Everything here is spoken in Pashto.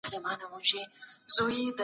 سهارنۍ د شکر ناروغۍ خطر کموي.